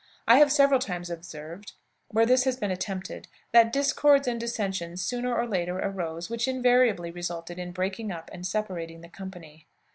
I have several times observed, where this has been attempted, that discords and dissensions sooner or later arose which invariably resulted in breaking up and separating the company.